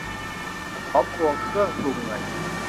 ขอพวงเครื่องปรุงหน่อย